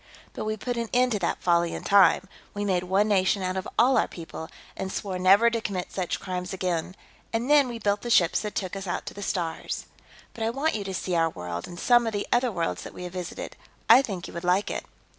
But we put an end to that folly in time; we made one nation out of all our people, and swore never to commit such crimes again, and then we built the ships that took us out to the stars. But I want you to see our world, and some of the other worlds that we have visited, I think you would like it."